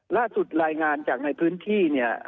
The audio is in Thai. ล่าสุดรายงานจากในพื้นที่